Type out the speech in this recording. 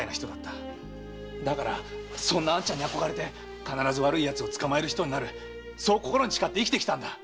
だからそんな兄ちゃんに憧れて必ず悪い奴を捕まえる人になるそう心に誓って生きてきたんだ！